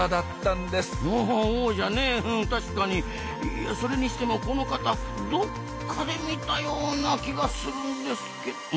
いやそれにしてもこの方どっかで見たような気がするんですけど。